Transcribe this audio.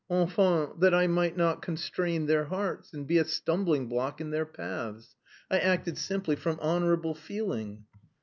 enfin, that I might not constrain their hearts, and be a stumbling block in their paths. I acted simply from honourable feeling."